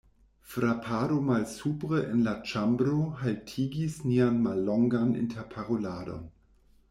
Frapado malsupre en la ĉambro haltigis nian mallongan interparoladon.